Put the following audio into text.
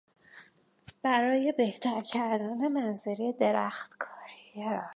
برای بهتر کردن منظره درختکاری کردیم.